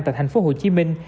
tại thành phố hồ chí minh